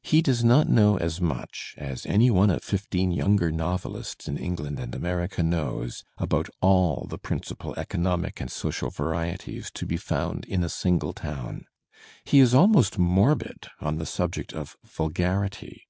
He does not know as much as any one of fifteen younger novelists in England and America knows about aU the principal economic and social varieties to be found in a single town. He is almost morbid on the subject of vulgarity.